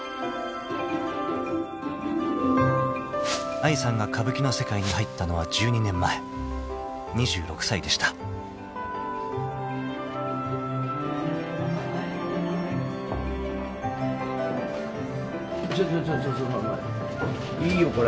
［愛さんが歌舞伎の世界に入ったのは１２年前］［２６歳でした］いいよこれ。